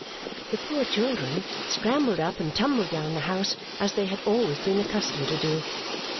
The poor children scrambled up and tumbled down the house as they had always been accustomed to do.